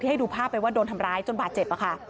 ให้ดูภาพไปว่าโดนทำร้ายจนบาดเจ็บค่ะ